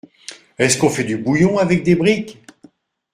Est-ce qu’on fait du bouillon avec des briques ?